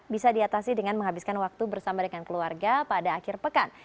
bisa diatasi dengan menghabiskan waktu bersama dengan keluarga pada akhir pekan